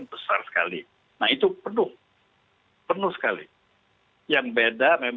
bis bis kelantungan yang guaranteed